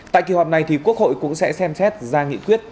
tại kỳ họp này quốc hội cũng sẽ xem xét ra nghị quyết